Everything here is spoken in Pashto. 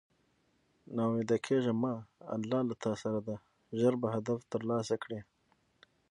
نا اميده کيږه مه الله له تاسره ده ژر به هدف تر لاسه کړی